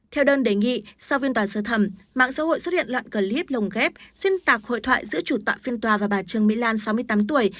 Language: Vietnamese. theo đơn đề nghị sau phiên tòa sơ thẩm mạng xã hội xuất hiện đoạn clip lồng ghép xuyên tạc hội thoại giữa chủ tọa phiên tòa và bà trương mỹ lan sáu mươi tám tuổi